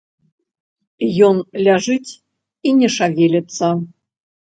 Ён ляжыць і не шавеліцца.